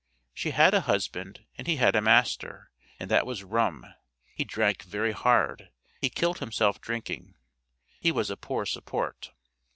She had a husband, and he had a master, and that was rum; he drank very hard, he killed himself drinking. He was poor support.